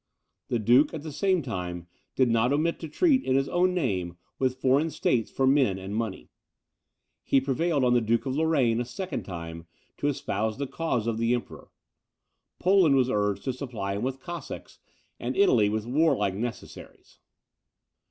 The duke, at the same time, did not omit to treat, in his own name, with foreign states for men and money. He prevailed on the Duke of Lorraine, a second time, to espouse the cause of the Emperor. Poland was urged to supply him with Cossacks, and Italy with warlike necessaries.